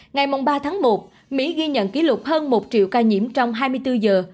ngày ba tháng một mỹ ghi nhận kỷ lục hơn một triệu ca nhiễm trong hai mươi bốn giờ